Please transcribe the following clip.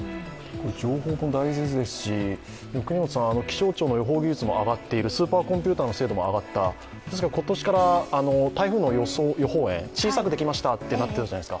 情報も大切ですし気象庁の予報技術も上がっているスーパーコンピューターの精度も上がった、ですから今年から台風の予報円、小さくできましたとなっている。